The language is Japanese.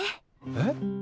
えっ？